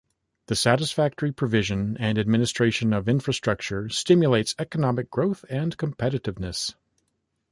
The satisfactory provision and administration of infrastructure stimulates economic growth and competitiveness.